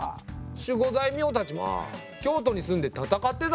守護大名たちは京都に住んで戦ってたってことだね。